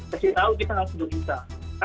pasti tahu kita harus berusaha